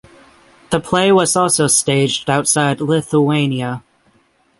The play was also staged outside of Lithuania.